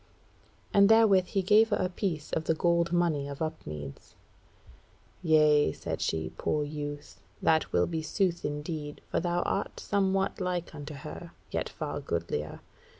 And therewith he gave her a piece of the gold money of Upmeads. "Yea," said she, "poor youth; that will be sooth indeed, for thou art somewhat like unto her, yet far goodlier.